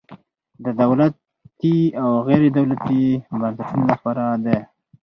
دا د دولتي او غیر دولتي بنسټونو لپاره دی.